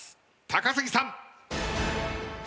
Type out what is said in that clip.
高杉さん。